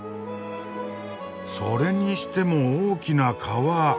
それにしても大きな川。